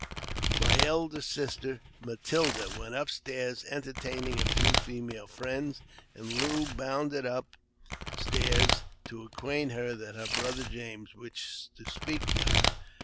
My elder sister, Matilda, was upstairs, entertaining a few female friends, and Lou bounded upstairs to acquaint her that her brother James wished to speak to her.